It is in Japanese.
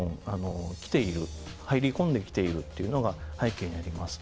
入り込んできているっていうのが背景にあります。